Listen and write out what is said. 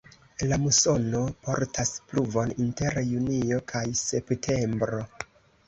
La musono portas pluvon inter junio kaj septembro.